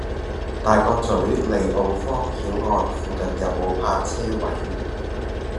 大角嘴利奧坊·曉岸附近有無泊車位？